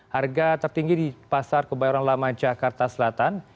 harga tertinggi di pasar kebayoran lama jakarta selatan